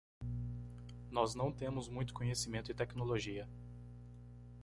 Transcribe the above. Nós não temos muito conhecimento e tecnologia